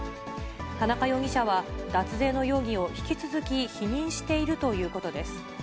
田中容疑者は脱税の容疑を引き続き否認しているということです。